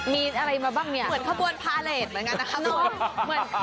มีอะไรมาบ้างเนี่ยเหมือนข้าวปวดพาเลทเหมือนกันนะครับ